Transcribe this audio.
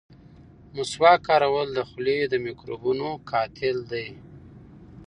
مسواک کارول د خولې د میکروبونو قاتل دی.